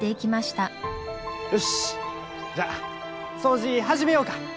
よしじゃあ掃除始めようか！